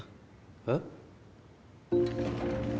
えっ？